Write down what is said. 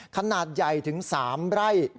ขนาดใหญ่ถึง๓ไร่